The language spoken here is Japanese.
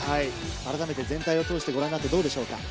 全体を通してご覧になってどうでしょう？